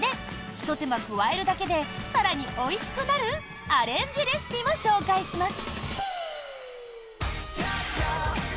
ひと手間加えるだけで更においしくなるアレンジレシピも紹介します。